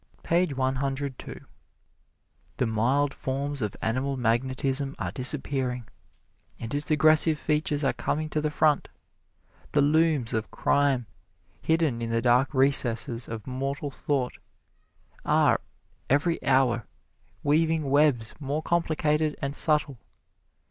Page one hundred two: "The mild forms of animal magnetism are disappearing, and its aggressive features are coming to the front. The looms of crime, hidden in the dark recesses of mortal thought, are every hour weaving webs more complicated and subtle.